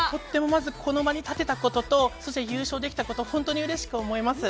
まずはこの場に立てたこととそして優勝できたこと本当にうれしく思います。